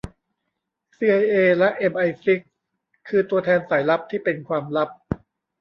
ซีไอเอและเอ็มไอซิกคือตัวแทนสายลับที่เป็นความลับ